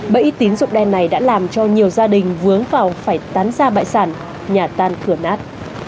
bẫy tín dụng đen này đã làm cho nhiều gia đình vướng vào phải tán ra bãi sản nhà tan cửa nát